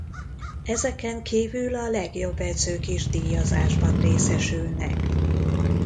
Ezeken kívül a legjobb edzők is díjazásban részesülnek.